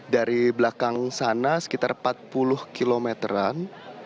dari belakang sana sekitar empat puluh km an